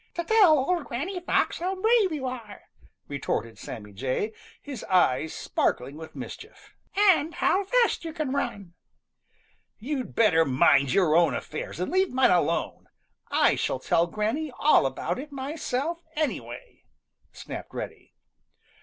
"To tell Old Granny Fox how brave you are," retorted Sammy Jay, his eyes sparkling with mischief, "and how fast you can run." "You'd better mind your own affairs and leave mine alone. I shall tell Granny all about it myself, anyway," snapped Reddy.